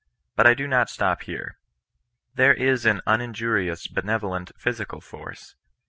But I do not stop here. There is an \minjurious, benevolent physical force.